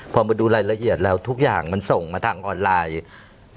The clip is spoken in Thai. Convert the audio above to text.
พอมาดูรายละเอียดแล้วทุกอย่างมันส่งมาทางออนไลน์